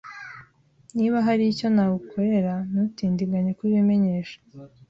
Niba hari icyo nagukorera, ntutindiganye kubimenyesha.